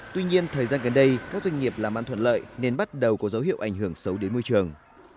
tuy nhiên thời gian gần đây các doanh nghiệp làm ăn thuận lợi nên bắt đầu có dấu hiệu ảnh hưởng xấu đến môi trường